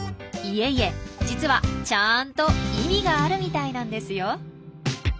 いえいえ実はちゃんと意味があるみたいなんですよ。